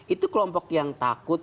itu kelompok yang takut